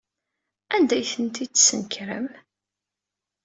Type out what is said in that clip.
Anda ay tent-id-tesnekrem?